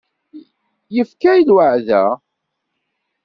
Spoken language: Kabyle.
Yefka lweɛda.